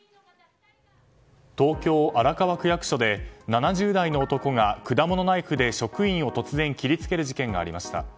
東京・荒川区役所で７０代の男が果物ナイフで職員を突然切り付ける事件がありました。